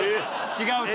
違うと。